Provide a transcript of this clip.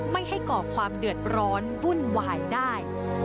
ไม่ให้ก่อความเดือดร้อนวุ่นวายได้